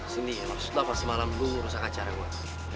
sini lo sudah pas semalam lo ngerusak acara gue